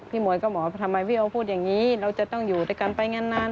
มวยก็บอกว่าทำไมพี่โอพูดอย่างนี้เราจะต้องอยู่ด้วยกันไปนาน